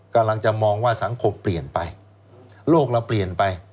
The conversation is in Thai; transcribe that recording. กำลังจะมองว่าสังคมเปลี่ยนไปโลกเราเปลี่ยนไป